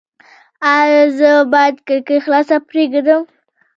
ایا زه باید کړکۍ خلاصه پریږدم؟